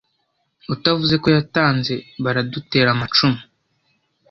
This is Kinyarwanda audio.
utavuze ko yatanze baradutera amacumu”.